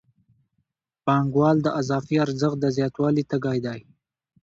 پانګوال د اضافي ارزښت د زیاتوالي تږی دی